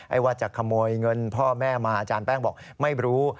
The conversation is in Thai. ว่าจะขโมยเงินพ่อแม่มาอาจารย์แป้งบอกไม่รู้